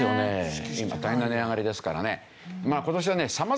今大変な値上がりですからね。